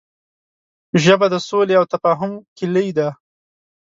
ژبه د سولې او تفاهم کلۍ ده